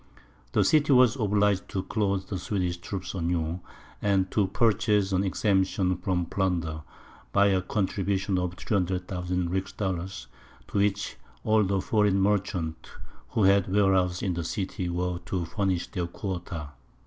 The city was obliged to clothe the Swedish troops anew, and to purchase an exemption from plunder, by a contribution of 300,000 rix dollars, to which all the foreign merchants, who had warehouses in the city, were to furnish their quota.